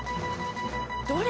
どれ？